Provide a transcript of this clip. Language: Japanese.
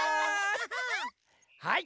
はい。